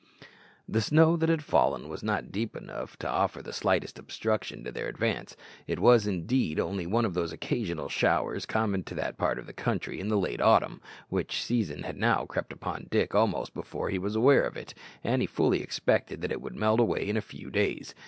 The snow that had fallen was not deep enough to offer the slightest obstruction to their advance. It was, indeed, only one of those occasional showers common to that part of the country in the late autumn, which season had now crept upon Dick almost before he was aware of it, and he fully expected that it would melt away in a few days.